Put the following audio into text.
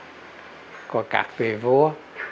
văn thơ của các vị vua